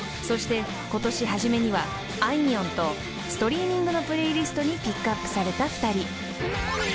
そしてことし初めにはあいみょんとストリーミングのプレイリストにピックアップされた２人］